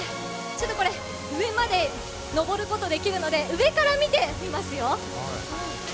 これ、上まで登ることできるので上から見てみますよ。